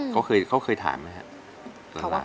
เขาเคยถามไหมครับ